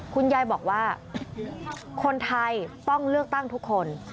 คุณยายบอกว่าคนไทยต้องเลือกตั้งทุกคน